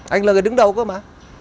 anh là người đứng đầu cơ mà